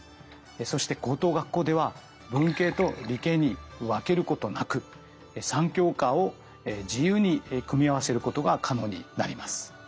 そして高等学校では文系と理系に分けることなく３教科を自由に組み合わせることが可能になります。